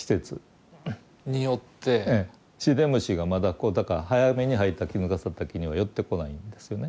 シデムシがまだこうだから早めに生えたキヌガサダケには寄ってこないんですよね。